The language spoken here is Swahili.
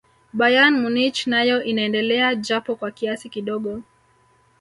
bayern munich nayo inaendea japo kwa kiasi kidogo